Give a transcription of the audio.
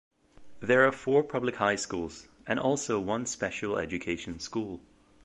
There are four public high schools, and also one special education school.